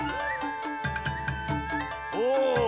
お。